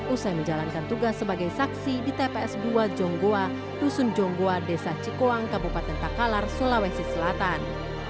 usai menjalankan tugas sebagai saksi di tps dua jonggoa dusun jonggoa desa cikoang kabupaten takalar sulawesi selatan